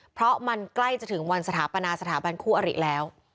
เพราะมันใกล้จะถึงวันสถาปนาสถาบันคู่อริแล้ว